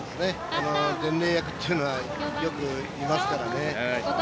伝令役っていうのはよくいますからね。